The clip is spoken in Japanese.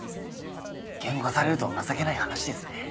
言語化されると情けない話ですね。